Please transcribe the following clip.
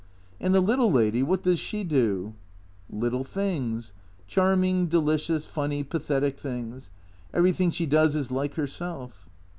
" And the little lady ? What does she do ?"" Little things. Charming, delicious, funny, pathetic things. Everything she does is like herself."